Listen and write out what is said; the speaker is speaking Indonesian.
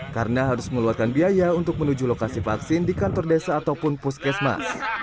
karena harus mengeluarkan biaya untuk menuju lokasi vaksin di kantor desa ataupun puskesmas